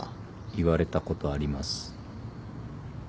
言われたことあります。